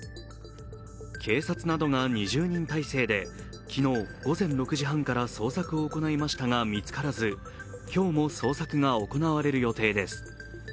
警察などが２０人態勢で昨日午前６時半から捜索を行いましたが見つからず、今日も捜索が行われる予定です。